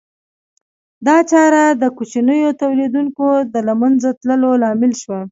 دا چاره د کوچنیو تولیدونکو د له منځه تلو لامل شوه